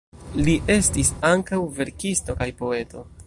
Li estis ankaŭ verkisto kaj poeto.